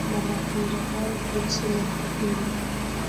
na mafunzo hayo kuhusu lengo hili